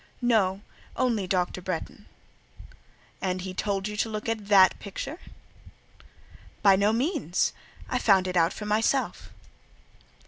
"No; only Dr. Bretton." "And he told you to look at that picture?" "By no means; I found it out for myself."